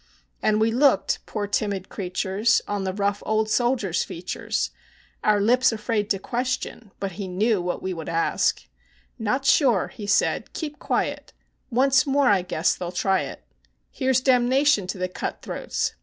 And we looked, poor timid creatures, on the rough old soldier's features, Our lips afraid to question, but he knew what we would ask: "Not sure," he said; "keep quiet, once more, I guess, they 'll try it Here's damnation to the cut throats!"